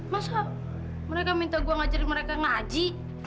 masa mereka minta gue ngajarin mereka ngaji